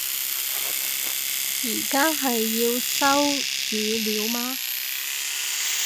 而家係要收語料嘛